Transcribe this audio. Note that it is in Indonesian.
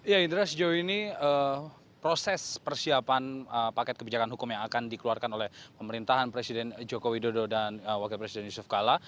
ya indra sejauh ini proses persiapan paket kebijakan hukum yang akan dikeluarkan oleh pemerintahan presiden joko widodo dan wakil presiden yusuf kala